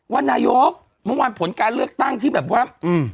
ว่านายกมุมวันผลการเลือกตั้งที่แบบว่า